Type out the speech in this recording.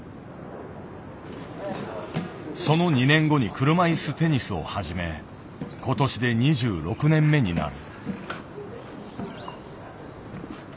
その２年後に車いすテニスを始め今年で２６年目になる。